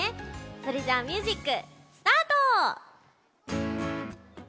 それじゃあミュージックスタート！